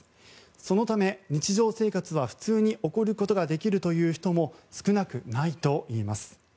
そのため、日常生活は普通に送ることができるという人も少なくないといいます。